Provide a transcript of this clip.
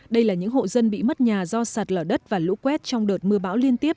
đây là những hộ dân bị mất nhà do sạt lở đất và lũ quét trong đợt mưa bão liên tiếp